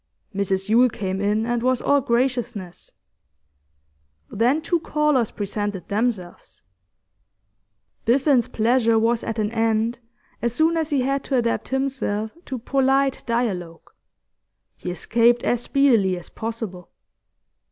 Mrs Yule came in, and was all graciousness. Then two callers presented themselves. Biffen's pleasure was at an end as soon as he had to adapt himself to polite dialogue; he escaped as speedily as possible.